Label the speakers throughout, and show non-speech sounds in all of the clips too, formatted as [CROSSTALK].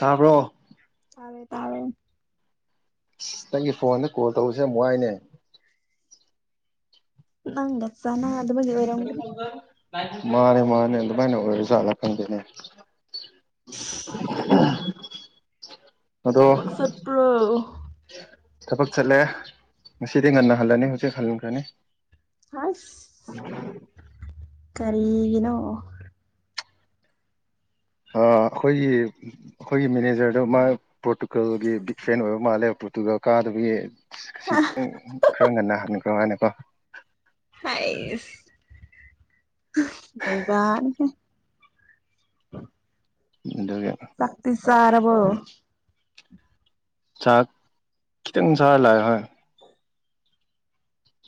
Speaker 1: ꯇꯥꯕ꯭ꯔꯣ
Speaker 2: ꯇꯥꯔꯦ ꯇꯥꯔꯦ
Speaker 1: ꯑꯁ ꯅꯪꯒꯤ ꯐꯣꯟꯗ ꯀꯣꯜ ꯇꯧꯕꯁꯦ ꯌꯥꯝ ꯋꯥꯏꯅꯦ
Speaker 2: ꯅꯪꯠ ꯆꯅꯥ ꯑꯗꯨꯕ ꯑꯣꯏꯣꯏꯔꯒꯔꯤ
Speaker 1: ꯃꯥꯅꯦ ꯃꯥꯅꯦ ꯑꯗꯨꯃꯥꯏꯅ ꯑꯣꯏꯔꯖꯥꯠꯂ ꯈꯪꯗꯦꯅꯦ [INAUDIBLE] ꯑꯗꯣ
Speaker 2: ꯄꯁꯠ ꯄꯔꯣ
Speaker 1: ꯊꯕꯛ ꯆꯠꯂꯦ ꯉꯁꯤꯗꯤ ꯉꯟꯅ ꯍꯜꯂꯅꯤ ꯍꯧꯖꯤꯛ ꯍꯟꯈ꯭ꯔꯅꯤ
Speaker 2: ꯑꯁ ꯀꯔꯤꯒꯤꯅꯣ
Speaker 1: ꯑꯩꯈꯣꯏꯒꯤ ꯑꯩꯈꯣꯏꯒꯤ ꯃꯦꯅꯦꯖꯔꯗꯨ ꯃꯥ ꯄꯣꯔꯇꯨꯒꯜꯒꯤ ꯕꯤꯛ ꯐꯦꯟ ꯑꯣꯏꯕ ꯃꯥꯜꯂꯦ ꯄꯣꯠꯇꯨꯒ ꯀꯥꯗꯨꯕꯒꯤ ꯁꯤꯇꯪ ꯈꯔ ꯉꯟꯅ ꯍꯟꯈ꯭ꯔ ꯃꯥꯅꯀꯣ
Speaker 2: ꯑꯩꯕ ꯎꯝ
Speaker 1: ꯑꯗꯨꯒ
Speaker 2: ꯆꯔꯔꯕꯣ
Speaker 1: ꯆꯥꯛ ꯈꯤꯇꯪ ꯆ ꯂꯥꯛꯑꯦ ꯍꯣꯏ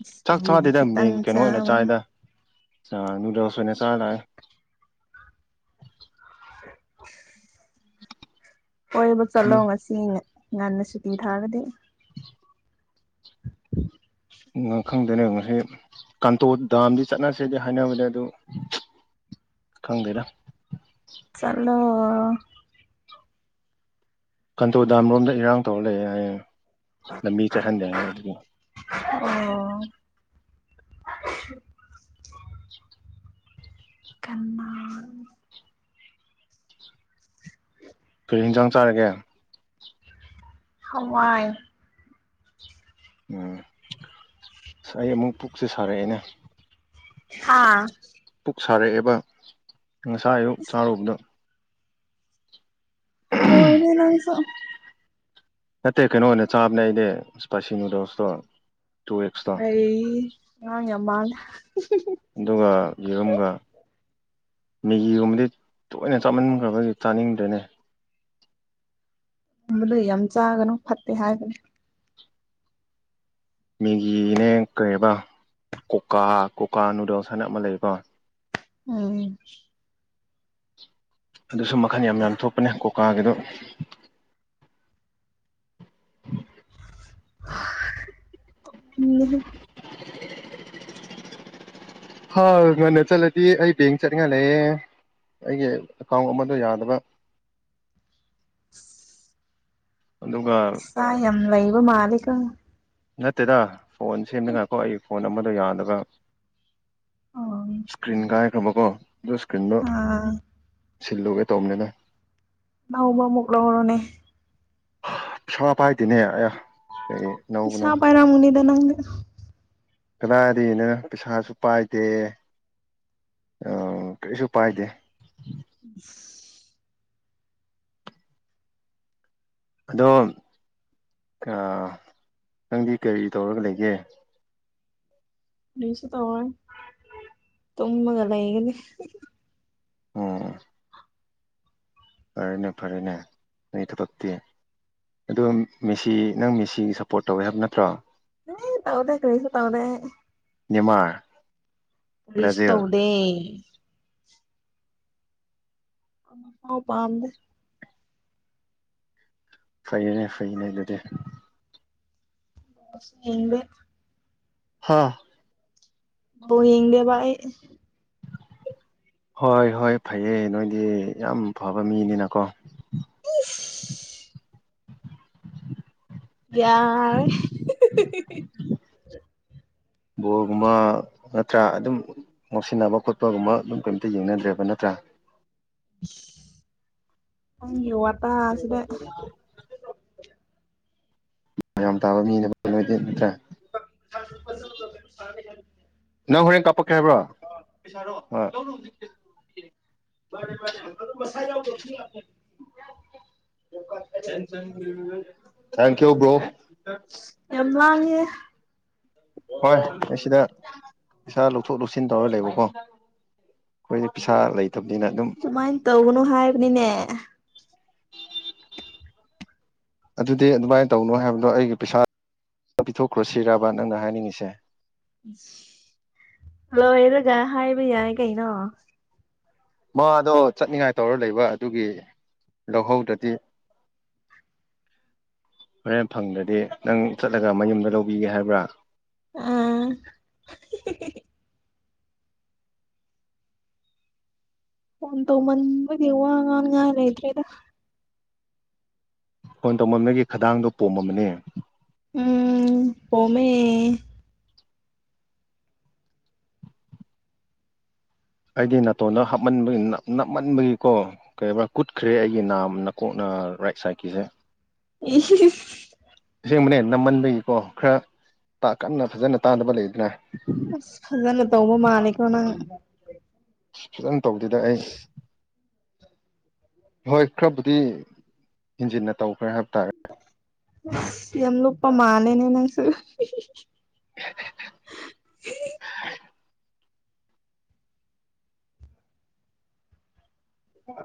Speaker 2: ꯏꯁ
Speaker 1: ꯆꯥꯛ
Speaker 2: ꯀꯔꯤꯒꯤ
Speaker 1: ꯆꯗꯦꯗ ꯃꯤ
Speaker 2: ꯈꯤꯇꯪ
Speaker 1: ꯀꯩꯅꯣ ꯑꯣꯏꯅ
Speaker 2: ꯆꯥꯕ
Speaker 1: ꯆꯥꯏꯗ ꯑ ꯅꯨꯗꯜꯁ ꯑꯣꯏꯅ ꯑꯣꯏꯅ ꯆꯅ
Speaker 2: ꯍꯣꯏꯕ ꯆꯠꯂꯣ ꯉꯁꯤ ꯉꯟꯅ ꯁꯨꯇꯤ ꯊꯥꯔꯒꯗꯤ
Speaker 1: [INAUDIBLE] ꯉꯥꯡ ꯈꯪꯗꯅ ꯉꯁꯤ ꯀꯥꯟꯇꯣ ꯗꯥꯝꯗꯤ ꯆꯠꯅꯁꯦꯗꯤ ꯍꯥꯏꯅꯕꯅꯦ ꯑꯗꯨ ꯈꯪꯗꯔ
Speaker 2: ꯆꯂꯣ
Speaker 1: ꯀꯟꯇꯣ ꯗꯥꯝꯔꯣꯝꯗ ꯏꯔꯥꯡ ꯇꯧꯔ ꯂꯩꯑꯦ ꯍꯥꯏꯌꯦ ꯂꯝꯕꯤ ꯆꯠꯍꯟꯗ ꯑꯗꯨ
Speaker 2: ꯑꯣ [INAUDIBLE] ꯀꯅꯥ
Speaker 1: ꯐꯔꯤ ꯍꯤꯟꯖꯥꯡ ꯆꯥꯔꯒꯦ
Speaker 2: ꯁꯋꯥꯥꯏ
Speaker 1: ꯎꯝ ꯑ ꯑꯩ ꯑꯃꯨꯛ ꯄꯨꯛꯁꯦ ꯁꯥꯔꯛꯑꯦꯅꯦ
Speaker 2: ꯑꯥ
Speaker 1: ꯄꯨꯛ ꯁꯥꯔꯛꯑꯦꯕ ꯉꯁꯥ ꯑꯌꯨꯛ
Speaker 2: ꯏꯁ
Speaker 1: ꯆꯥꯔꯨꯕꯗ
Speaker 2: ꯑꯣ ꯂ
Speaker 1: ꯅꯠꯇꯦ ꯀꯩꯅꯣ ꯑꯣꯏꯅ ꯆꯥꯕꯅꯦ ꯑꯩꯗꯤꯄꯥꯁꯤꯅꯨꯗꯣꯁꯇꯣ
Speaker 2: ꯍ ꯃꯥꯉ ꯃꯥ
Speaker 1: ꯑꯗꯨꯒ ꯌꯦꯔꯨꯝꯒ ꯃꯦꯒꯤꯒꯨꯝꯕꯗꯤ ꯇꯣꯏꯅ ꯆꯥꯃꯟꯈ꯭ꯔꯕꯒꯤ ꯆꯥꯅꯤꯡꯗꯣꯏꯅꯦ
Speaker 2: ꯝꯕꯗ ꯌꯥꯝ ꯆꯥꯒꯅꯨ ꯐꯠꯇꯦ ꯍꯥꯏꯕꯅꯤ
Speaker 1: ꯃꯦꯒꯤꯅꯦ ꯀꯩꯕ ꯀꯣꯀꯥ ꯀꯣꯀꯥ ꯅꯨꯗꯜꯁ ꯍꯥꯏꯅ ꯑꯃ ꯂꯩꯕꯣ
Speaker 2: ꯎꯝ
Speaker 1: ꯑꯗꯨꯁꯨ ꯃꯈꯜ ꯌꯥꯝ ꯌꯥꯝ ꯊꯣꯛꯄꯅꯦ ꯀꯣꯀꯥꯒꯤꯗꯣ
Speaker 2: [UNINTELLIGIBLE]
Speaker 1: ꯍꯥꯎ ꯉꯟꯅ ꯆꯠꯂꯗꯤ ꯑꯩ ꯕꯦꯡ ꯆꯠꯅꯤꯡꯉ ꯂꯩꯌꯦꯦ ꯑꯩꯒꯤ ꯑꯦꯀꯥꯎꯟ ꯑꯃꯗꯣ ꯌꯥꯗꯕ
Speaker 2: [UNINTELLIGIBLE]
Speaker 1: ꯑꯗꯨꯒ
Speaker 2: ꯑꯁ ꯌꯥꯝ ꯌꯥꯝ ꯂꯩꯕ ꯃꯥꯂꯤꯒ
Speaker 1: ꯅꯠꯇꯦꯗ ꯐꯣꯟ ꯁꯦꯝꯗꯉꯥꯏꯀꯣ ꯑꯩ ꯐꯣꯟ ꯑꯃꯗꯣ ꯌꯥꯂꯒ ꯏꯁꯀ꯭ꯔꯤꯟ ꯀꯥꯏꯈꯕꯀꯣ ꯑꯗꯨ ꯏꯁꯀ꯭ꯔꯤꯟꯗꯣ
Speaker 2: ꯑꯥ
Speaker 1: ꯁꯤꯜꯂꯨꯒꯦ ꯇꯣꯝꯅꯤꯅ
Speaker 2: ꯅꯎꯕ ꯃꯨꯛ ꯂꯧꯔꯣꯅꯦ
Speaker 1: ꯄꯁ ꯄꯥꯏꯗꯤꯅꯦ ꯑ ꯀꯩ ꯏꯧꯧꯕꯅ
Speaker 2: ꯅꯒ
Speaker 1: ꯀꯗꯥꯏꯗꯒꯤꯅ ꯄꯩꯁꯥꯁꯨ ꯄꯥꯏꯗꯦ ꯑ ꯀꯩꯁꯨ ꯄꯥꯏꯗꯦ
Speaker 2: ꯎ
Speaker 1: ꯑꯗꯣ ꯅꯪꯗꯤ ꯀꯔꯤ ꯇꯧꯔꯒ ꯂꯩꯒꯦ
Speaker 2: ꯅꯤꯡꯁꯨ ꯇꯦ ꯇꯒ ꯂꯩ ꯌꯦꯒꯅꯤ
Speaker 1: ꯎꯝ ꯐꯔꯦꯅꯦ ꯐꯔꯦꯅꯦ ꯅ ꯊꯕꯛꯇꯤ ꯑꯗꯣ ꯃꯤꯁꯤ ꯅꯪ ꯃꯤꯁꯤꯒꯤ ꯁꯞꯄꯣꯔꯠ ꯇꯧꯋꯦ ꯍꯥꯏꯕ ꯅꯠꯇ꯭ꯔꯣ
Speaker 2: ꯍ ꯇꯥꯎꯗꯦ ꯀꯔꯤꯁ ꯇꯥꯎꯗꯦ
Speaker 1: ꯅꯤꯃꯔ
Speaker 2: ꯄꯨꯔꯤꯁ ꯇꯧꯗꯦ ꯥꯎ ꯄꯝꯗ
Speaker 1: ꯐꯩꯅꯦ ꯐꯩꯅꯦ ꯑꯗꯨꯗꯤ
Speaker 2: ꯍꯕ
Speaker 1: ꯍꯥꯥ
Speaker 2: ꯑ ꯌꯦꯡꯗꯦ ꯏ
Speaker 1: ꯍꯣꯏ ꯍꯣꯏ ꯐꯩꯌꯦ ꯅꯣꯏꯗꯤ ꯌꯥꯝ ꯐꯕ ꯃꯤꯅꯤꯅꯀꯣ
Speaker 2: ꯌꯥꯔꯦ [UNINTELLIGIBLE]
Speaker 1: ꯕꯣꯜꯒꯨꯝꯕ ꯅꯠꯇ꯭ꯔꯥ ꯑꯗꯨꯝ ꯉꯧꯁꯤꯟꯅꯕ ꯈꯣꯠꯄꯒꯨꯝꯕ ꯑꯗꯨꯝ ꯀꯩꯝꯇ ꯌꯦꯡꯅꯗ꯭ꯔꯦꯕ ꯅꯠꯇ꯭ꯔꯥ [UNINTELLIGIBLE]
Speaker 2: ꯑ ꯌ
Speaker 1: ꯎ ꯌꯥꯝ ꯇꯥꯕ ꯃꯤꯅꯗꯤ ꯅꯠꯇ꯭ꯔꯥ
Speaker 2: [UNINTELLIGIBLE]
Speaker 1: ꯅꯪ ꯍꯣꯔꯦꯟ ꯀꯥꯞꯄꯛꯀꯦ ꯍꯥꯏꯕ꯭ꯔꯣ
Speaker 2: ꯃꯥꯅꯦ ꯃꯥꯅꯦ ꯑ ꯃꯁꯥꯖꯥꯎ ꯀꯁꯤ
Speaker 1: ꯊꯦꯡꯀ ꯌꯨ ꯕ꯭ꯔꯣ
Speaker 2: ꯌꯥꯝ ꯂꯥꯡꯉꯦ
Speaker 1: ꯍꯣꯏ ꯑꯩ ꯁꯤꯗ ꯄꯩꯁꯥ ꯂꯧꯊꯣꯛ ꯂꯧꯁꯤꯟ ꯇꯧꯔ ꯂꯩꯕꯀꯣ ꯀꯣꯏꯅꯤ ꯄꯩꯁꯥ ꯂꯩ
Speaker 2: ꯑꯗꯨꯃꯥꯏꯅ ꯇꯧꯧꯕꯅꯨ ꯍꯥꯏꯕꯅꯤꯅꯦ
Speaker 1: ꯑꯗꯨꯗꯤ ꯑꯗꯨꯃꯥꯏꯅ ꯇꯧꯅꯣ ꯍꯥꯏꯕꯗꯣ ꯑꯩꯒꯤ ꯄꯩꯁꯥ ꯅ ꯄꯤꯊꯣꯛꯈ꯭ꯔꯣ ꯁꯤꯔꯥꯕ ꯅꯪꯅ ꯍꯥꯏꯅꯤꯡꯉꯤꯁꯦ
Speaker 2: ꯍꯜꯂꯣ ꯑꯩꯔꯒ ꯍꯥꯏꯕ ꯌꯥꯏ ꯀꯩꯅꯣ
Speaker 1: ꯃꯥꯗꯣ ꯆꯠꯅꯤꯡꯉꯥꯏ ꯇꯧꯔ ꯂꯩꯕ ꯑꯗꯨꯒꯤ ꯂꯧꯍꯧꯗ꯭ꯔꯗꯤ [UNINTELLIGIBLE] ꯍꯣꯔꯦꯟ ꯐꯪꯗ꯭ꯔꯗꯤ ꯅꯪ ꯆꯠꯂꯒ ꯃꯌꯨꯝꯗ ꯂꯧꯕꯤꯒꯦ ꯍꯥꯏꯕ꯭ꯔꯥ
Speaker 2: ꯑꯥ ꯑꯣꯟ ꯇꯧ ꯃꯟꯗꯤ ꯋꯥ ꯉ ꯌꯥꯔꯗ꯭ꯔꯦꯗ
Speaker 1: ꯀꯣꯟ ꯇꯧꯃꯝꯃꯦꯒꯤ ꯈꯗꯥꯡꯗꯨ ꯄꯣꯝꯃꯝꯕꯅꯤ
Speaker 2: ꯎꯝ ꯄꯃꯦ
Speaker 1: ꯑꯩꯗꯤ ꯅꯥꯇꯣꯟꯗ ꯍꯥꯞꯃꯟꯕꯒꯤ ꯅꯞꯃꯟꯕꯒꯤꯀꯣ ꯀꯩꯔꯤꯕ꯭ꯔꯥ ꯀꯨꯠꯈ꯭ꯔꯦ ꯑꯩꯒꯤ ꯅꯥꯝ ꯅꯀꯣꯛꯅ ꯔꯥꯏꯠ ꯁꯥꯏꯠꯀꯤꯁꯦ
Speaker 2: ꯏ
Speaker 1: ꯑꯦꯡꯕꯅꯦ ꯅꯝꯃꯟꯕꯒꯤꯀꯣ ꯈꯔ ꯀꯟꯅ ꯐꯖꯅ ꯇꯥꯗꯕ ꯂꯩꯗꯅ
Speaker 2: ꯑꯁ ꯐꯖꯅ ꯇꯧꯕ ꯃꯥꯂꯀꯣ ꯅꯪ
Speaker 1: ꯐꯖꯅ ꯇꯧꯗꯗ ꯑꯩ ꯍꯣꯏ ꯈꯔꯕꯨꯗꯤ ꯍꯦꯟꯖꯤꯟꯅ ꯇꯧꯈ꯭ꯔꯦ ꯍꯥꯏꯕ ꯇꯥꯔꯦ
Speaker 2: ꯌꯥꯝꯦꯝ ꯂꯨꯞꯄꯄꯥ ꯃꯥꯅꯦꯅꯦ ꯅꯪꯁꯨ
Speaker 1: [INAUDIBLE]
Speaker 2: ꯑ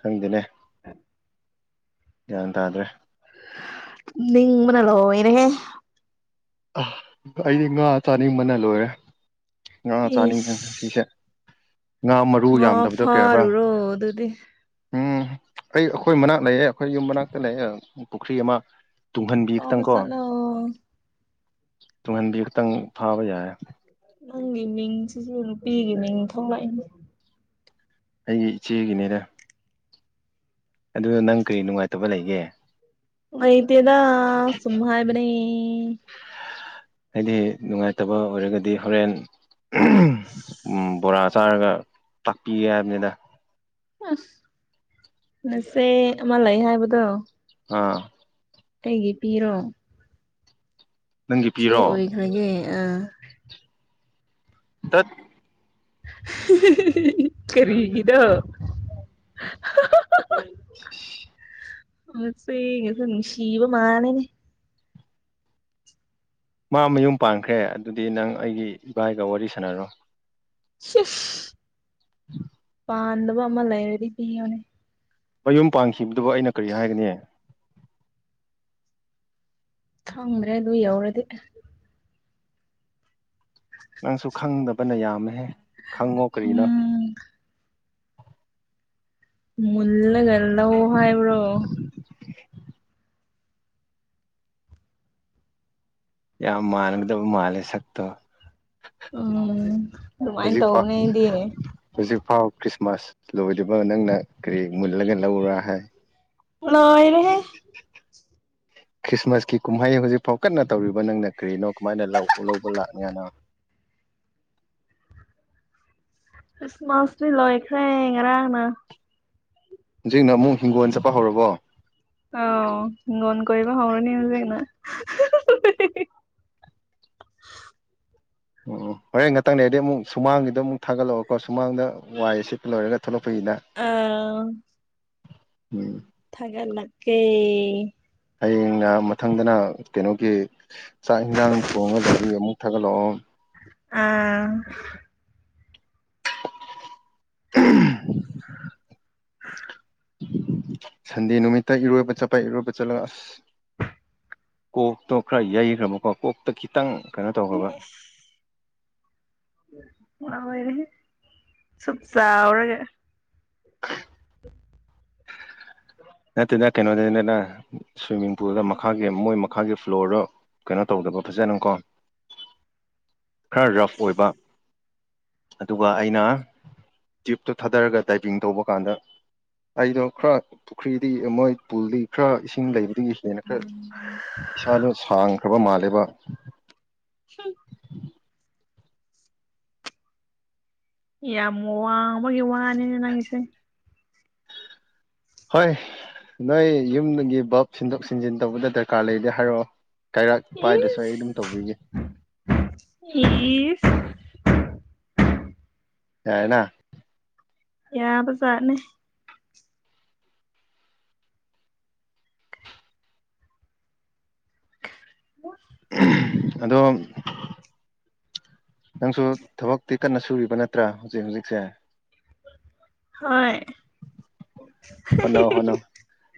Speaker 1: ꯈꯪꯗꯅꯦ ꯒ꯭ꯌꯥꯟ ꯇꯥꯗ꯭ꯔꯦ
Speaker 2: ꯅꯤꯡ ꯃꯅꯂꯣ ꯏꯅꯦꯦ
Speaker 1: ꯑꯩꯗꯤ ꯉꯥ ꯆꯥꯅꯤꯡ ꯃꯅ ꯂꯣꯏꯔꯦ ꯑ ꯆꯥꯂꯤ ꯊ
Speaker 2: ꯏꯁ
Speaker 1: ꯁꯤꯁꯦ ꯉꯥ ꯃꯔꯨ
Speaker 2: ꯉꯥ
Speaker 1: ꯌꯥꯝꯗꯕꯗꯣ ꯀꯩ ꯍꯥꯏꯔꯕ
Speaker 2: ꯐꯥꯔꯨꯔꯣ ꯑꯗꯨꯗꯤ
Speaker 1: ꯎꯝ ꯑꯩ ꯑꯩꯈꯣꯏ ꯃꯅꯥꯛ ꯂꯩꯌꯦꯦ ꯑꯩꯈꯣꯏ ꯌꯨꯝ ꯃꯅꯥꯛꯇ ꯂꯩꯦ ꯄꯨꯈ꯭ꯔꯤ ꯑꯃ ꯇꯨꯡꯍꯟꯕꯤ ꯈꯛꯇꯪ
Speaker 2: ꯐꯥꯕ
Speaker 1: ꯀꯣ
Speaker 2: ꯆꯠꯂꯣ
Speaker 1: ꯇꯨꯡꯍꯟꯕꯤ ꯈꯛꯇꯪ ꯐꯥꯕ ꯌꯥꯏ
Speaker 2: ꯅꯪꯒꯤ ꯃꯤꯡꯁꯤꯁꯨ ꯅꯨꯄꯤꯒꯤ ꯃꯤꯡ ꯊꯣꯛꯂꯛꯏꯅꯦ
Speaker 1: ꯑꯩꯒꯤ ꯏꯆꯦꯒꯤꯅꯦꯔ ꯑꯗꯨ ꯅꯪ ꯀꯔꯤ ꯅꯨꯡꯉꯥꯏꯇꯕ ꯂꯩꯒꯦ
Speaker 2: ꯑꯩꯗꯤꯦꯗ ꯁꯨꯃ ꯍꯥꯏꯕꯅꯤ
Speaker 1: ꯍꯥꯏꯗꯤ ꯅꯨꯡꯉꯥꯏꯇꯕ ꯑꯣꯏꯔꯒꯗꯤ ꯍꯣꯔꯦꯟ
Speaker 2: ꯎꯝ
Speaker 1: ꯕꯣꯔꯥ ꯆꯥꯔꯒ ꯇꯥꯛꯄꯤꯒꯦ ꯍꯥꯏꯕꯅꯤꯅ
Speaker 2: ꯅꯁꯦ ꯑꯃ ꯂꯩ ꯍꯥꯏꯕꯗꯣ
Speaker 1: ꯑꯥ
Speaker 2: ꯀꯩꯒꯤ ꯄꯤꯔꯣ
Speaker 1: ꯅꯪꯒꯤ
Speaker 2: ꯁꯤꯤ
Speaker 1: ꯄꯤꯔꯣ
Speaker 2: ꯑꯣꯏꯈꯒꯦ ꯑ
Speaker 1: ꯇꯠ
Speaker 2: ꯀꯔꯤꯗ
Speaker 1: [INAUDIBLE]
Speaker 2: ꯃꯁꯦ ꯁꯤꯕ ꯃꯥꯅꯅꯦ
Speaker 1: ꯃꯥ ꯃꯌꯨꯝ ꯄꯥꯟꯈ꯭ꯔꯦ ꯑꯗꯨꯗꯤ ꯅꯪ ꯑꯩꯒꯤ ꯏꯕꯥꯏꯒ ꯋꯥꯔꯤ ꯁꯥꯟꯅꯔꯣ
Speaker 2: ꯁ
Speaker 1: ꯎꯝ
Speaker 2: ꯑ ꯑꯟꯗꯕꯃ ꯂꯩꯕꯔꯤ ꯄ ꯑꯃꯅꯤꯅꯤ
Speaker 1: ꯃꯌꯨꯝ ꯄꯥꯟꯈꯤꯕꯗꯨꯕꯨ ꯑꯩꯅ ꯀꯔꯤ ꯍꯥꯏꯒꯅꯤ
Speaker 2: ꯑ꯭ꯔꯦ ꯑꯗꯨ ꯌꯎꯔꯗꯤ
Speaker 1: ꯅꯪꯁꯨ ꯈꯪꯗꯕꯅ ꯌꯥꯝꯃꯦꯍꯦ ꯈꯪꯉꯣ ꯀꯔꯤꯅꯣ
Speaker 2: ꯎꯝ ꯃꯂꯒꯂ ꯑꯣꯍꯥ ꯏꯕ꯭ꯔꯣ
Speaker 1: ꯌꯥ ꯃꯥꯥꯟꯒꯗꯕꯨ ꯃꯥ ꯂꯩ ꯁꯛꯛꯇ
Speaker 2: ꯎꯝ ꯑꯗꯨꯃꯥꯏꯅ
Speaker 1: ꯍꯧꯖꯤꯛ ꯄꯥꯎ
Speaker 2: ꯇꯧꯕꯅꯦ ꯑꯩꯗꯤ
Speaker 1: ꯍꯧꯖꯤꯛ ꯄꯥꯎ ꯃꯥꯁ ꯂꯣꯏꯗꯕ ꯅꯪꯅ ꯀꯔꯤ ꯃꯨꯜꯂꯒ ꯂꯧꯔꯥ ꯍꯥꯏ
Speaker 2: ꯍꯅꯏꯅꯦ
Speaker 1: ꯍ ꯈ꯭ꯔꯤꯁꯃꯥꯁꯀꯤ ꯀꯨꯝꯍꯩ ꯍꯧꯖꯤꯛꯐꯥꯎ ꯀꯟꯅ ꯇꯧꯔꯤꯕ ꯅꯪꯅ ꯀꯔꯤꯅꯣ ꯀꯃꯥꯏꯅ ꯂꯧꯕ ꯂꯥꯛꯅꯤꯅꯣ [INAUDIBLE]
Speaker 2: ꯈ꯭ꯔꯤꯁꯃꯥꯁꯅꯤ ꯂꯣ ꯑꯩꯈ꯭ꯔꯦ ꯉꯔꯥꯡꯥꯡꯅ
Speaker 1: ꯍꯧꯖꯤꯛꯅ ꯑꯃꯨꯛ ꯍꯤꯡꯒꯣꯜ ꯆꯠꯄ ꯍꯧꯔꯕꯣ
Speaker 2: ꯑ ꯉꯣꯟ ꯀꯧꯕ ꯍꯔꯅꯤ ꯍꯧꯖꯅ
Speaker 1: [INAUDIBLE] ꯎꯝ ꯍꯣꯔꯦꯟ ꯉꯥꯛꯇꯪꯅꯦ ꯑꯩꯗꯤ ꯑꯃꯨꯛ ꯁꯨꯃꯥꯡꯒꯤꯗꯣ ꯑꯃꯨꯛ ꯊꯥꯒꯠꯂꯛꯑꯣꯀꯣ ꯁꯨꯃꯥꯡꯗ ꯋꯥꯏ ꯁꯤ ꯂꯣꯏꯔꯒ ꯊꯂꯣ ꯐꯩꯗ ꯎꯝ
Speaker 2: ꯊꯒꯂ ꯀꯦ
Speaker 1: ꯍꯌꯦꯡꯅ ꯃꯊꯪꯗꯅ ꯀꯩꯅꯣꯒꯤ ꯆꯥꯛ ꯏꯟꯁꯥꯡ ꯊꯣꯡꯉꯒ ꯂꯩꯕꯒꯤ ꯑꯃꯨꯛ ꯊꯒꯂꯣ
Speaker 2: ꯑꯥ
Speaker 1: [INAUDIBLE] ꯁꯟꯗꯦ ꯅꯨꯃꯤꯠꯇ ꯏꯔꯣꯏꯕ ꯆꯠꯄ ꯏꯔꯣꯏꯕ ꯆꯠꯂꯛꯁ ꯀꯣꯛꯇꯣ ꯈꯔ ꯌꯩꯈ꯭ꯔꯕꯀꯣ ꯀꯣꯛꯇ ꯈꯤꯇꯪ ꯀꯩꯅꯣ ꯇꯧꯈ꯭ꯔꯕ
Speaker 2: ꯔ ꯆꯞ ꯆꯎꯔꯒ
Speaker 1: ꯅꯠꯇꯅ ꯀꯩꯅꯣꯗ ꯅꯅ ꯁ꯭ꯋꯤꯃꯤꯡ ꯄꯨꯜꯗ ꯃꯈꯥꯒꯤ ꯃꯣꯏ ꯃꯈꯥꯒꯤ ꯐ꯭ꯂꯣꯔꯗꯣ ꯀꯩꯅꯣ ꯇꯧꯗꯕ ꯐꯖꯅꯀꯣ ꯈꯔ ꯔꯐ ꯑꯣꯏꯕ ꯑꯗꯨꯒ ꯑꯩꯅ ꯖꯤꯞꯇꯨ ꯊꯥꯗꯔꯒ ꯗꯥꯏꯚꯡ ꯇꯧꯕ ꯀꯥꯟꯗ ꯑꯩꯗꯣ ꯈꯔ ꯄꯨꯈ꯭ꯔꯤꯗꯤ ꯃꯣꯏ ꯄꯨꯜꯗꯤ ꯈꯔ ꯏꯁꯤꯡ ꯂꯩꯕꯗꯒꯤ ꯍꯦꯟꯅ ꯈꯔ ꯏꯁꯥꯗ ꯁꯥꯡꯈ꯭ꯔꯕ ꯃꯥꯜꯂꯦꯕ
Speaker 2: ꯁꯤ ꯌꯥꯝꯃ ꯋꯥ ꯑꯃꯒꯤꯒꯤ ꯋꯥꯅꯤꯅ ꯅꯪꯤꯁꯦ
Speaker 1: ꯍꯣꯏ ꯅꯣꯏ ꯌꯨꯝꯒꯤ ꯕꯞ ꯁꯤꯟꯗꯣꯛ ꯁꯤꯟꯖꯤꯟ ꯇꯧꯕꯗ ꯗꯔꯀꯥꯔ ꯂꯩꯗꯦ ꯍꯥꯏꯔꯛꯑꯣ ꯀꯩꯔꯥꯛ ꯄꯥꯏꯗꯁꯨ ꯑꯩ
Speaker 2: ꯏꯁ
Speaker 1: ꯑꯗꯨꯝ ꯇꯧꯕꯤꯒꯦ
Speaker 2: ꯏꯁ
Speaker 1: ꯌꯥꯏꯅ
Speaker 2: ꯌꯥꯕ ꯆꯔꯅ ꯑꯣ
Speaker 1: ꯑꯗꯣ ꯅꯪꯁꯨ ꯊꯕꯛꯇꯤ ꯀꯟꯅ ꯁꯨꯔꯤꯕ ꯅꯠꯇ꯭ꯔꯥ ꯍꯧꯖꯤꯛ ꯍꯧꯖꯤꯛꯁꯦ
Speaker 2: ꯍꯣꯏ
Speaker 1: ꯍꯣꯠꯅꯧ ꯍꯣꯠꯅꯧ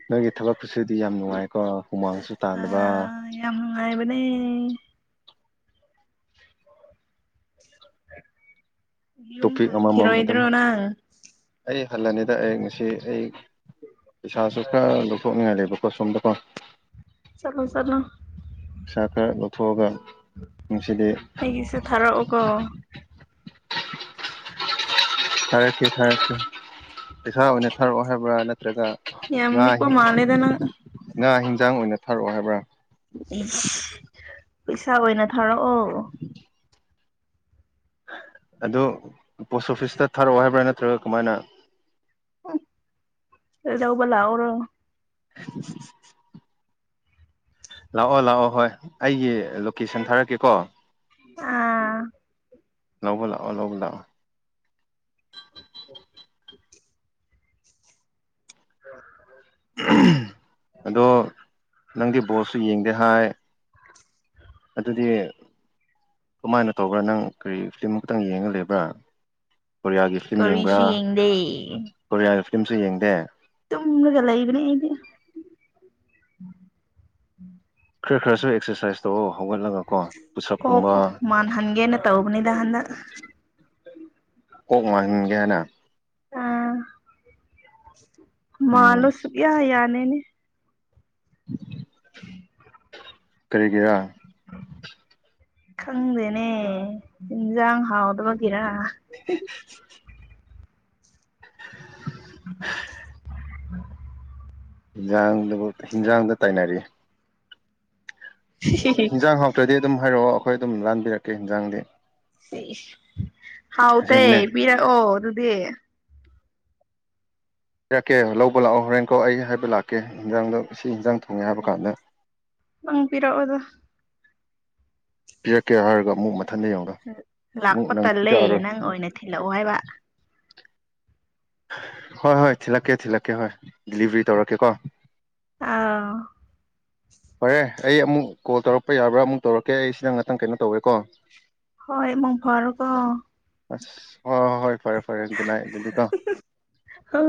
Speaker 1: ꯅꯣꯏꯒꯤ ꯊꯕꯛ ꯈꯨꯠꯁꯨꯗꯤ ꯌꯥꯝ ꯅꯨꯡꯉꯥꯏꯀꯣ ꯍꯨꯃꯥꯡꯁꯨ ꯇꯥꯜꯂꯕ
Speaker 2: ꯎꯉꯥꯏ ꯃꯅꯤ ꯌꯨꯝ
Speaker 1: ꯇꯣꯄꯤꯛ ꯑꯃꯃꯝ ꯑꯗꯨꯝ
Speaker 2: ꯍꯪꯈꯤꯔꯣꯏꯗ꯭ꯔꯣ ꯅꯪ
Speaker 1: ꯑꯩ ꯍꯜꯂꯅꯤꯗ ꯑꯩ ꯉꯁꯤ ꯑꯩ ꯄꯩꯁꯥꯁꯨ ꯈꯔ ꯂꯧꯊꯣꯛꯅꯤꯡꯍꯂꯦꯕ ꯂꯀꯣ ꯁꯝꯗꯀꯣ
Speaker 2: ꯆꯂꯣ ꯆꯠꯂꯣ
Speaker 1: ꯄꯩꯁꯥ ꯈꯔ ꯂꯧꯊꯣꯛꯑꯒ ꯅꯨꯡꯁꯤꯗꯤ
Speaker 2: ꯑꯩꯒꯤꯁꯨ ꯊꯥꯔꯛꯑꯣꯀꯣ
Speaker 1: ꯊꯔꯦꯁꯤ ꯊꯔꯦꯁꯤ ꯄꯩꯁꯥ ꯑꯣꯏꯅ ꯊꯔꯛꯍꯦꯕ꯭ꯔ ꯅꯠꯇ꯭ꯔꯒ
Speaker 2: ꯌꯥꯝ
Speaker 1: ꯉꯥ
Speaker 2: ꯂꯤꯛꯄ ꯃꯥꯜꯂꯦꯗ ꯅꯪ
Speaker 1: ꯉꯥ ꯌꯦꯤꯟꯖꯥꯡ ꯑꯣꯏꯅ ꯊꯥꯔꯛꯑꯣ ꯍꯥꯏꯕ꯭ꯔꯥ
Speaker 2: ꯏꯁ ꯄꯩꯁꯥ ꯑꯣꯏꯅ ꯊꯥꯔꯛꯑꯣ
Speaker 1: ꯑꯗꯨ ꯄꯣꯁ ꯑꯣꯐꯤꯁꯇ ꯊꯥꯔꯛꯑꯣ ꯍꯥꯏꯕ꯭ꯔꯥ ꯅꯠꯇ꯭ꯔꯒ ꯀꯃꯥꯏꯅ
Speaker 2: ꯗꯎꯕꯂ ꯑꯣꯔ
Speaker 1: [INAUDIBLE] [UNINTELLIGIBLE] ꯂꯥꯛꯑꯣ ꯂꯥꯛꯑꯣ ꯍꯣꯏ ꯑꯩꯒꯤ ꯂꯣꯀꯦꯁꯟ ꯊꯥꯔꯛꯀꯦꯀꯣ
Speaker 2: ꯑꯥ
Speaker 1: ꯂꯣꯛꯗꯥ
Speaker 2: [INAUDIBLE]
Speaker 1: ꯑꯗꯣ ꯅꯪꯗꯤ ꯕꯣꯁꯁꯨ ꯌꯦꯡꯗꯦ ꯍꯥꯏ ꯑꯗꯨꯗꯤ ꯀꯃꯥꯏꯅ ꯇꯧꯕ꯭ꯔꯥ ꯅꯪ ꯀꯔꯤ ꯐꯤꯂꯝ ꯑꯃꯈꯛꯇꯪ ꯌꯦꯡꯉ ꯂꯩꯕ꯭ꯔꯥ ꯀꯣꯔꯤꯌꯥꯒꯤ ꯐꯤꯂꯝ ꯌꯦꯡꯕ꯭ꯔꯥ
Speaker 2: ꯀꯔꯤꯁꯨ ꯌꯦꯡꯗꯦ
Speaker 1: ꯀꯣꯔꯤꯌꯥꯒꯤ ꯐꯤꯂꯝꯁꯨ ꯌꯦꯡꯗꯦ
Speaker 2: ꯇꯨꯝꯃꯒ ꯂꯩꯕꯅꯦ ꯑꯩꯗꯤ
Speaker 1: ꯈꯔ ꯈꯔꯁꯨ ꯑꯦꯛꯁꯔꯁꯥꯏꯁ ꯇꯧꯑꯣ ꯍꯧꯒꯠꯂꯒ ꯀꯣ
Speaker 2: ꯀꯣꯛ
Speaker 1: ꯄꯨꯁꯞꯀꯨꯝꯕ
Speaker 2: ꯃꯥꯟꯍꯟꯒꯦꯅ ꯇꯧꯕꯅꯤꯗ ꯍꯟ ꯑ
Speaker 1: ꯎꯝ
Speaker 2: ꯀꯔꯤ
Speaker 1: ꯀꯣꯛ ꯃꯥꯡꯍꯟꯒꯦ ꯍꯥꯏꯅ
Speaker 2: ꯑꯥ
Speaker 1: ꯎꯝ
Speaker 2: ꯃꯥꯥꯡꯂꯣꯁꯨꯒꯌꯥ ꯌꯥꯅꯦꯅꯦ
Speaker 1: [UNINTELLIGIBLE]
Speaker 2: [UNINTELLIGIBLE]
Speaker 1: ꯀꯦꯒ
Speaker 2: ꯈꯪꯗꯦꯅꯦ ꯏꯟꯖꯥꯡ ꯍꯥꯎꯗꯕꯒꯤꯔ
Speaker 1: [UNINTELLIGIBLE] ꯍꯤꯟꯖꯥꯡꯗꯨꯕꯨ ꯍꯤꯟꯖꯥꯡꯗ ꯇꯥꯏꯅꯔꯤ ꯍꯟꯖꯥꯡ ꯍꯥꯎꯇ꯭ꯔꯗꯤ ꯑꯗꯨꯝ ꯍꯥꯏꯔꯛꯑꯣ ꯑꯩꯈꯣꯏ ꯑꯗꯨꯝ ꯂꯥꯟꯕꯤꯔꯛꯀꯦ ꯍꯟꯖꯥꯡꯗꯤ
Speaker 2: ꯑꯦ ꯍꯥꯎꯇ ꯄꯤꯔꯛꯑꯣ ꯑꯗꯨꯗꯤ
Speaker 1: ꯏꯔꯛꯀꯦ ꯂꯧꯕ ꯂꯥꯛꯑꯣ ꯍꯣꯔꯦꯟꯀꯣ ꯑꯩ ꯍꯥꯏꯕ ꯂꯥꯛꯀꯦ ꯌꯦꯟꯖꯥꯡꯗꯣ ꯁꯤ ꯏꯟꯖꯥꯡ ꯊꯣꯡꯉꯦ ꯍꯥꯏꯕ ꯀꯥꯟꯗ
Speaker 2: ꯅꯪ ꯄꯤꯔꯛꯑꯣꯗ
Speaker 1: ꯄꯤꯔꯛꯀꯦ ꯍꯥꯏꯔꯒ ꯑꯃꯨꯛ ꯊꯟꯗ ꯌꯦꯡꯉꯒ ꯑꯃꯨꯛ
Speaker 2: ꯂꯥꯛꯄ
Speaker 1: ꯅꯪ
Speaker 2: ꯇꯜꯂꯦ
Speaker 1: ꯄꯤꯊꯛꯑꯔꯣꯏ
Speaker 2: ꯅꯪ ꯑꯣꯏꯅ ꯊꯤꯜꯂꯛꯑꯣ ꯍꯥꯏꯕ
Speaker 1: ꯍꯣꯏ ꯍꯣꯏ ꯊꯤꯜꯂꯛꯀꯦ ꯊꯤꯜꯂꯛꯀꯦ ꯍꯣꯏ ꯗꯤꯂꯤꯚꯔꯤ ꯇꯧꯔꯛꯀꯦ ꯀꯣ
Speaker 2: ꯑꯥ
Speaker 1: ꯐꯔꯦ ꯑꯩ ꯑꯃꯨꯛ ꯀꯣꯜ ꯇꯧꯔꯛꯄ ꯌꯥꯕ꯭ꯔꯥ ꯑꯃꯨꯛ ꯇꯧꯔꯛꯀꯦ ꯑꯩ ꯁꯤꯗ ꯉꯥꯛꯇꯪ ꯀꯩꯅꯣ ꯇꯧꯋꯦꯀꯣ
Speaker 2: ꯍꯣꯏ ꯃꯛ ꯐꯔ ꯀꯣ
Speaker 1: ꯑꯁ ꯍ ꯍꯣꯏ ꯐꯔꯦ ꯐꯔꯦ ꯈꯨꯅꯥꯏ ꯑꯗꯨꯗꯤꯀꯣ
Speaker 2: ꯍꯥꯎ